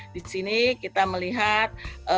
di sini kita melihat